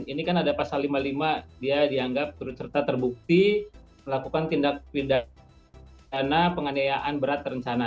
ini kan ada pasal lima puluh lima dia dianggap turut serta terbukti melakukan tindak pidana penganiayaan berat terencana